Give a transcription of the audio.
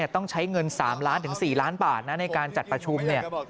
ต้องใช้เงิน๓๔ล้านบาทในการจัดประชุม